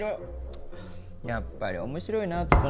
やっぱり面白いな整君。